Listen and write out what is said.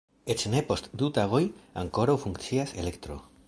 Eĉ ne post du tagoj ankoraŭ funkcias elektro.